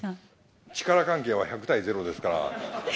力関係は１００対０ですから。